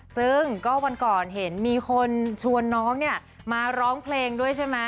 ซึ่งก็วันก่อนเห็นมีคนชวนน้องเนี่ยมาร้องเพลงด้วยใช่ไหม